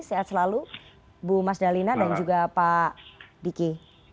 sehat selalu bu mas dalina dan juga pak diki